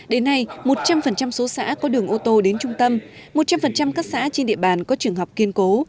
đến nay một trăm linh số xã có đường ô tô đến trung tâm một trăm linh các xã trên địa bàn có trường học kiên cố